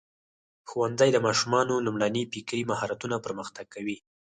ښوونځی د ماشومانو لومړني فکري مهارتونه پرمختګ کوي.